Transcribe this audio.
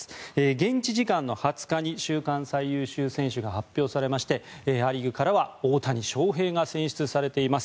現地時間の２０日に週間最優秀選手が発表されましてア・リーグからは大谷翔平が選出されています。